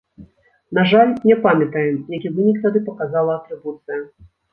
На жаль, не памятаем, які вынік тады паказала атрыбуцыя.